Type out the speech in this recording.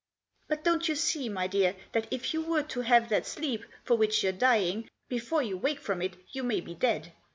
" But don't you see, my dear, that if you were to have that sleep for which you're dying, before you wake from it you may be dead.